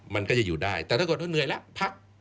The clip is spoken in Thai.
มันก็จะอยู่ได้แต่ถ้าเกิดว่าเหนื่อยแล้วพัก